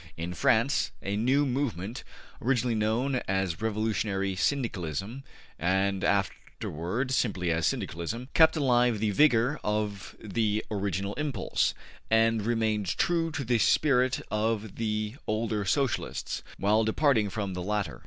In France a new movement, originally known as Revolutionary Syndicalism and afterward simply as Syndicalism kept alive the vigor of the original impulse, and remained true to the spirit of the older Socialists, while departing from the letter.